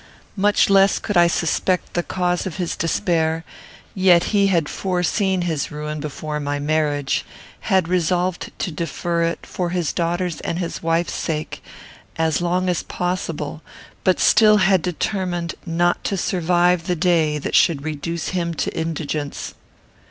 Much less could I suspect the cause of his despair; yet he had foreseen his ruin before my marriage; had resolved to defer it, for his daughter's and his wife's sake, as long as possible, but had still determined not to survive the day that should reduce him to indigence.